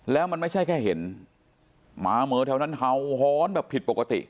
แล้วมันไม่ใช่แค่เห็นหมาเหมือแถวนั้นเห่าหอนแบบผิดปกติ